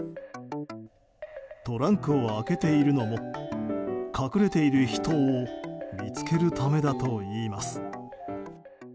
トランクを開けているのも隠れている人を見つけるためだといいます。